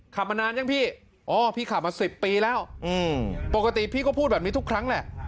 มานานยังพี่อ๋อพี่ขับมา๑๐ปีแล้วปกติพี่ก็พูดแบบนี้ทุกครั้งแหละ